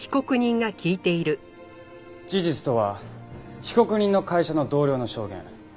事実とは被告人の会社の同僚の証言。